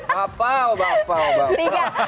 bapak bapak bapak